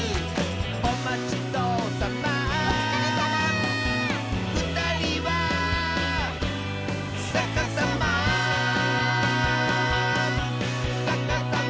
「おまちどおさま」「おつかれさま」「ふたりはさかさま」「さかさま」